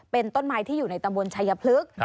เป็นต้นไม้ที่อยู่ในตำบลชายพลึก